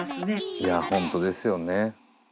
いやほんとですよね。